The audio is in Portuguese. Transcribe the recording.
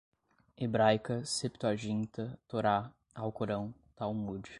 hebraica, septuaginta, torá, alcorão, talmude